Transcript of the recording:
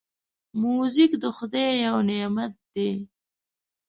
موزیک د خدای یو نعمت دی.